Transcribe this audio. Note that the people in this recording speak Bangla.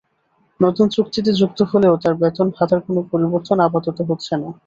নতুন চুক্তিতে যুক্ত হলেও তাঁর বেতন ভাতার কোনো পরিবর্তন আপাতত হচ্ছে না।